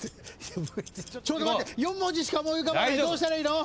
ちょっと待って４文字しか思い浮かばないどうしたらいいの！？